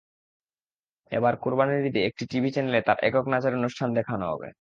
এবার কোরবানির ঈদে একটি টিভি চ্যানেলে তাঁর একক নাচের অনুষ্ঠান দেখানো হবে।